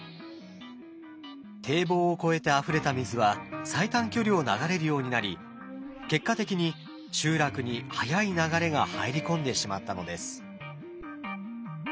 堤防を越えてあふれた水は最短距離を流れるようになり結果的に集落に速い流れが入り込んでしまったのです。